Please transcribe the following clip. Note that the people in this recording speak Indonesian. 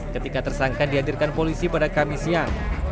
ketika tersangka dihadirkan polisi pada kamis siang